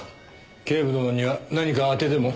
警部殿には何か当てでも？